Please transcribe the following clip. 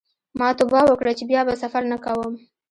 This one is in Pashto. ما توبه وکړه چې بیا به سفر نه کوم.